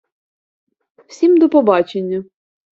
Всім до побачення!